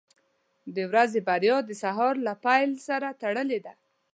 • د ورځې بریا د سهار له پیل سره تړلې ده.